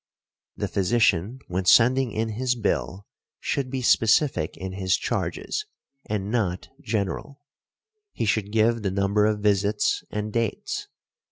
The physician when sending in his bill should be specific in his charges and not general; he should give the number of visits and dates.